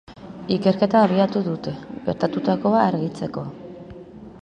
Ikerketa abiatu dute, gertatutakoa argitzeko.